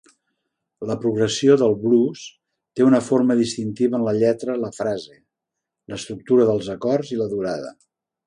La progressió del blues té una forma distintiva en la lletra, la frase, l'estructura dels acords i la durada.